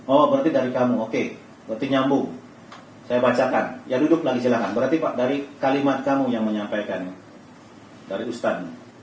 oh berarti dari kamu oke berarti nyambung saya bacakan ya duduk lagi silahkan berarti pak dari kalimat kamu yang menyampaikan dari ustadz